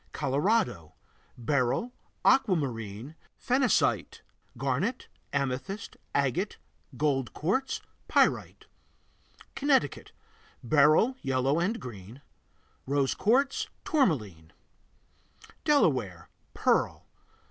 Colorado Beryl, aquamarine, phenacite, garnet, amethyst, agate, gold quartz, pyrite. Connecticut Beryl, yellow and green; rose quartz, tourmaline Delaware Pearl.